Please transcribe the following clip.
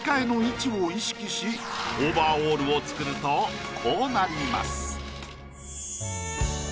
オーバーオールを作るとこうなります。